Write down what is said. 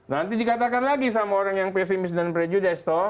nanti dikatakan lagi sama orang yang pesimis dan prejudesto